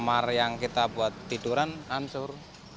kamar yang kita buat tiduran hancur